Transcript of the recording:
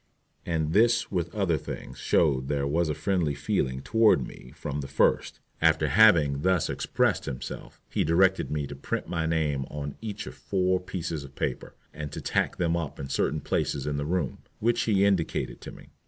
And this with other things shows there was a friendly feeling toward me from the first. After having thus expressed himself, he directed me to print my name on each of four pieces of paper, and to tack them up in certain places in the room, which he indicated to me.